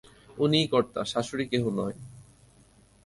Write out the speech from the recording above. উনিই কর্তা, শাশুড়ি কেহ নয়!